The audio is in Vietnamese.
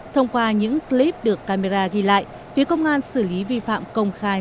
thông qua những clip được camera ghi lại phía công an xử lý vi phạm công khai